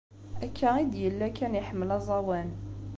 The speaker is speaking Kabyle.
Akka i d-yella kan iḥemmel aẓawan.